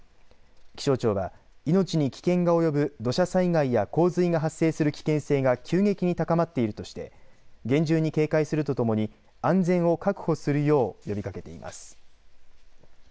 気象庁は命に危険が及ぶ土砂災害や洪水が発生する危険性が急激に高まっているとして厳重に警戒するとともに安全を確保するよう呼びかけています。